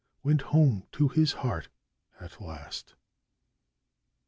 went home to his heart at last.